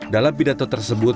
dalam pidato tersebut